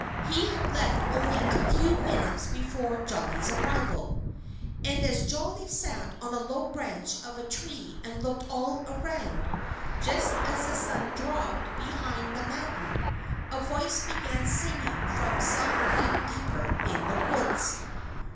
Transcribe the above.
He had left only a few minutes before Jolly's arrival. And as Jolly sat on a low branch of a tree and looked all around, just as the sun dropped behind the mountain, a voice began singing from some point deeper in the woods.